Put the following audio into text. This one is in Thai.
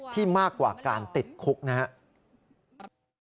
มากกว่าการติดคุกนะครับ